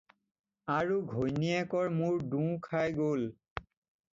আৰু ঘৈণীয়েকৰ মূৰ দোঁ খাই গ'ল।